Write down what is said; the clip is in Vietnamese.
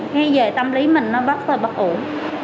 ngay giờ tâm lý mình nó bắt rồi bắt ổn